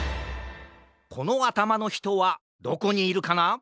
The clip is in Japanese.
このあたまのひとはどこにいるかな？